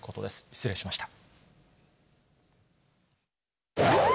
失礼しました。